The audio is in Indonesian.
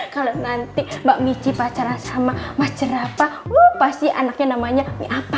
kalau nanti mbak mici pacaran sama macerapa pasti anaknya namanya miapa